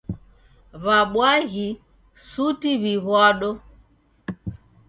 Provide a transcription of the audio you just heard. W'abwaghi suti w'iw'ado.